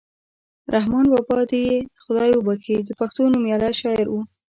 رحمان بابا دې یې خدای وبښي د پښتو نومیالی شاعر ؤ.